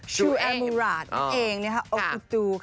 ชูแอลมูราชนั่นเองนะครับโอ๊คอุดดู